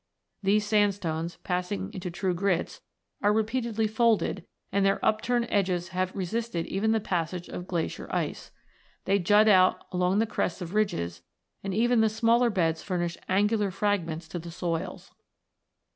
These sandstones, passing into true grits, are repeatedly folded, and their upturned edges have re sisted even the passage of glacier ice. They jut out along the crests of ridges, and even the smaller beds furnish angular fragments to the soils.